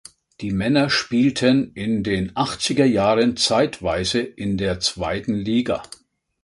Die Männer spielten in den Achtziger Jahren zeitweise in der zweiten Liga.